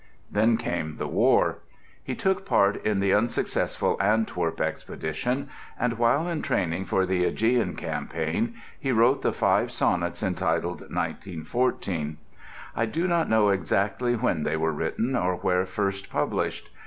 Then came the War; he took part in the unsuccessful Antwerp Expedition; and while in training for the Ægean campaign he wrote the five sonnets entitled "1914". I do not know exactly when they were written or where first published.